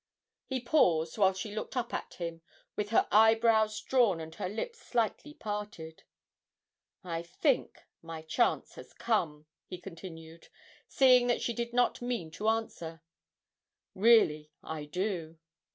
He paused, while she looked up at him with her eyebrows drawn and her lips slightly parted. 'I think my chance has come,' he continued, seeing that she did not mean to answer, 'really I do.